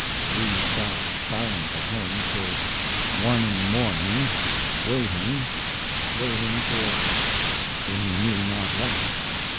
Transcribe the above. We sat silent at home till one in the morning waiting waiting for we knew not what.